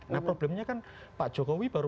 nah problemnya kan pak jokowi baru